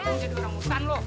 aduh jadi orang utang lu